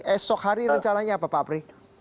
esok hari rencananya apa pak apri